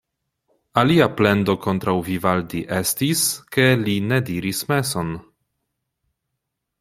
Alia plendo kontraŭ Vivaldi estis, ke li ne diris meson.